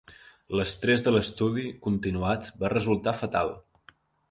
L'estrès de l'estudi continuat va resultar fatal.